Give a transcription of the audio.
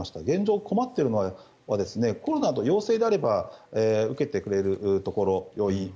現状、困っているのはコロナで陽性であれば受けてくれるところ、病院